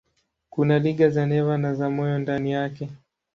Kuna liga za neva na za moyo ndani yake.